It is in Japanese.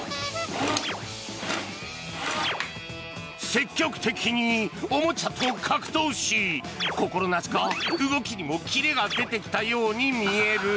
積極的におもちゃと格闘し心なしか、動きにもキレが出てきたように見える。